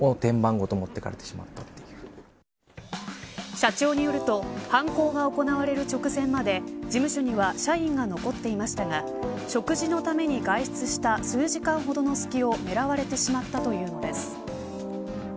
社長によると犯行が行われる直前まで事務所には社員が残っていましたが食事のために外出した数時間ほどの隙を狙われてしまったというのです。